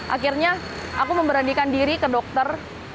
akhirnya aku memberanikan diri ke dokter